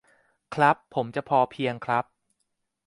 ครับ ผมจะพอเพียงครับ